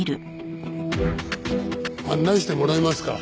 案内してもらえますか？